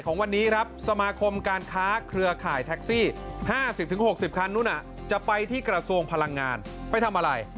ของวันนี้ครับสมาคมการค้าเครือข่ายแท็กซี่๕๐๖๐คันนู้นจะไปที่กระทรวงพลังงานไปทำอะไร